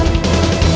aduh kayak gitu